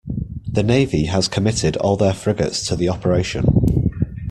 The Navy has committed all their frigates to the operation.